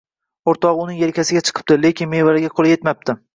O‘rtog‘i uning yelkasiga chiqibdi, lekin mevalarga qo‘li yetmabdi